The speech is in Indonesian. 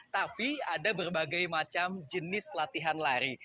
tapi ada berbagai macam jenis latihan lari